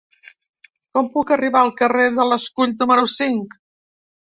Com puc arribar al carrer de l'Escull número cinc?